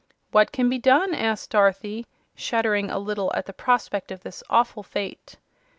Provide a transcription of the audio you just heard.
"What can be done?" asked Dorothy, shuddering a little at the prospect of this awful fate.